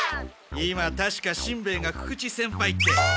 今たしかしんべヱが久々知先輩って。